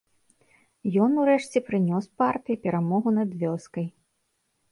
Ён урэшце прынёс партыі перамогу над вёскай.